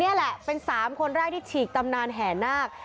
นี่แหละเป็น๓คนแรกที่ฉีกตำนานแห่นาค